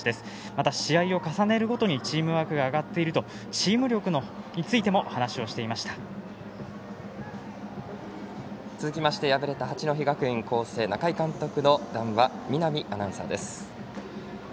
また試合を重ねるごとにチームワークが上がっているとチーム力についても続きまして敗れた八戸学院光星、仲井監督の談話見浪アナウンサーです。